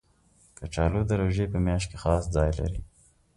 کچالو د روژې په میاشت کې خاص ځای لري